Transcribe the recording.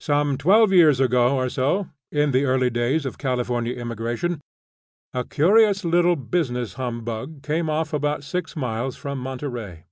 Some twelve years ago or so, in the early days of Californian immigration, a curious little business humbug came off about six miles from Monterey.